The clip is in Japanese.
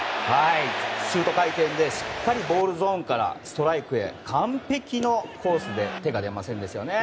シュート回転でしっかりボールゾーンからストライクへ完璧のコースで手が出ませんでしたね。